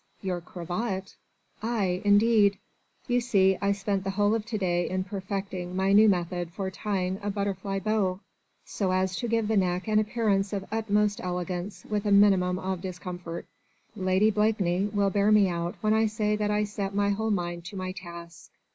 "Your cravat?" "Aye indeed! You see I spent the whole of to day in perfecting my new method for tying a butterfly bow, so as to give the neck an appearance of utmost elegance with a minimum of discomfort. Lady Blakeney will bear me out when I say that I set my whole mind to my task.